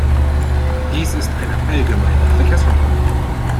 Dies ist eine allgemeine Verkehrskontrolle.